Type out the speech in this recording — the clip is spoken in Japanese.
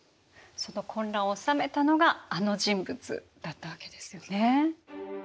その混乱を収めたのがあの人物だったわけですよね。